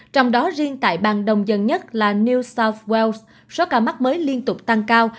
trong đó riêng tại bang đông dân nhất là new south well số ca mắc mới liên tục tăng cao